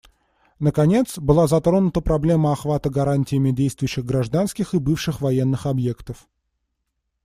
Наконец, была затронута проблема охвата гарантиями действующих гражданских и бывших военных объектов.